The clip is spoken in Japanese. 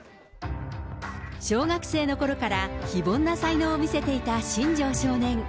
小学生のころから、非凡な才能を見せていた新庄少年。